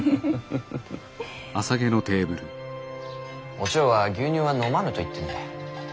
お千代は牛乳は飲まぬと言ってんだ。